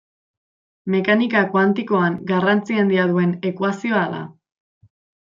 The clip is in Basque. Mekanika kuantikoan garrantzi handia duen ekuazioa da.